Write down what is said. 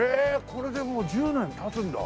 これでもう１０年経つんだ。